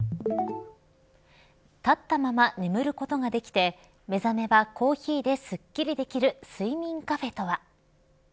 立ったまま眠ることができて目覚めはコーヒーですっきりできる睡眠カフェとは。